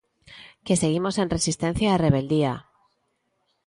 Que seguimos en resistencia e rebeldía.